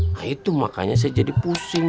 nah itu makanya saya jadi pusing